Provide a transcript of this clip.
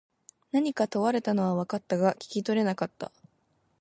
何か問われたのは分かったが、聞き取れなかった。